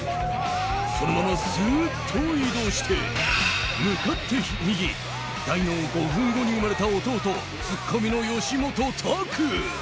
そのままスーッと移動して向かって右大の５分後に生まれた弟ツッコミの吉本拓。